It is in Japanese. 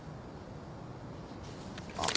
あっ。